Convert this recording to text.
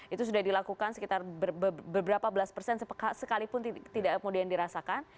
itu sudah dilakukan sekitar beberapa belas persen sekalipun tidak kemudian dirasakan